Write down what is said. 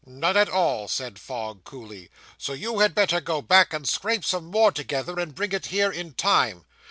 "None at all," said Fogg coolly; "so you had better go back and scrape some more together, and bring it here in time."